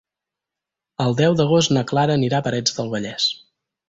El deu d'agost na Clara anirà a Parets del Vallès.